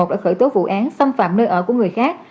đã khởi tố vụ án xâm phạm nơi ở của người khác